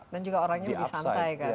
dan juga orangnya lebih santai kan